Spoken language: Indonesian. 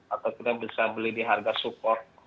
atau kita bisa beli di harga support